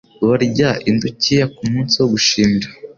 Barya indukiya kumunsi wo gushimira.